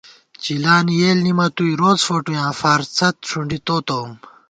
چِلانی یېل نِمَتُوئی روڅ فوٹُیاں فارڅھدݭُنڈی تو تَوُم